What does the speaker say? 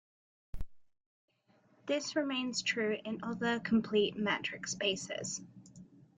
This remains true in other complete metric spaces.